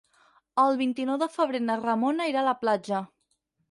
El vint-i-nou de febrer na Ramona irà a la platja.